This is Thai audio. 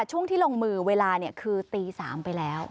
ช่วงที่ลงมือเวลาคือตี๓ไปแล้ว